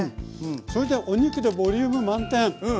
それでお肉でボリューム満点。